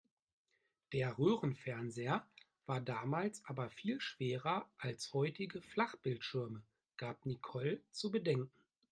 Der Röhrenfernseher war damals aber viel schwerer als heutige Flachbildschirme, gab Nicole zu bedenken.